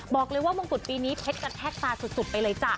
บอกเลยว่ามงกุฎปีนี้เพชรกระแทกตาสุดไปเลยจ้ะ